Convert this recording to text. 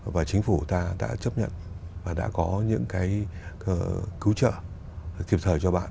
và chính phủ ta đã chấp nhận và đã có những cái cứu trợ kịp thời cho bạn